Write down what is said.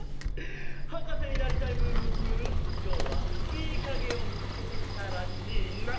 はかせになりたいムームーくんきょうはいいかげをみつけてきたらしいな。